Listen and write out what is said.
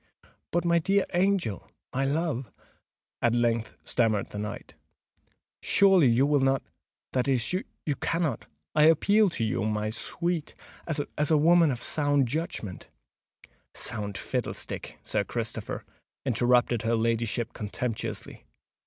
"But, my dear angel—my love," at length stammered the knight, "surely you will not—that is, you cannot—I appeal to you, my sweet, as a woman of sound judgment——" "Sound fiddlestick, Sir Christopher!" interrupted her ladyship contemptuously.